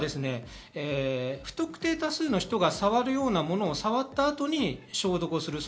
不特定多数の人が触るようなものを触った後に消毒をする。